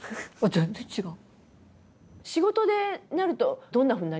全然違う！